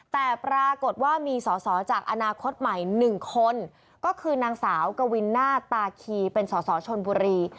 แต่ปรากฏว่ามีสอสอจากอนาคตใหม่๑คนก็คือนางสาวกวินหน้าตาคีเป็นสอสอชนบุรี